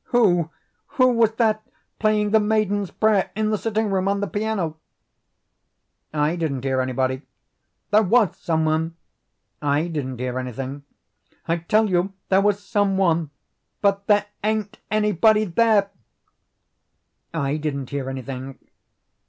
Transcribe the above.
"Who who was that playing 'The Maiden's Prayer' in the sitting room, on the piano?" "I didn't hear anybody." "There was some one." "I didn't hear anything." "I tell you there was some one. But THERE AIN'T ANYBODY THERE." "I didn't hear anything."